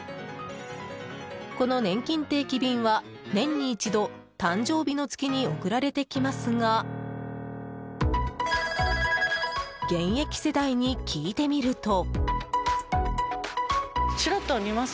このねんきん定期便は年に一度誕生日の月に送られてきますが現役世代に聞いてみると。